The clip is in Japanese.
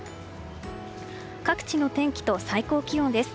各地の天気と最高気温です。